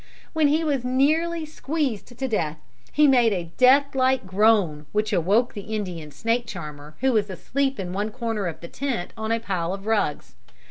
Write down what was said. When he was nearly squeezed to death he made a death like groan which awoke the Indian snake charmer who was asleep in one corner of the tent on a pile of rugs.